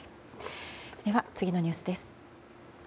では、次のニュースです。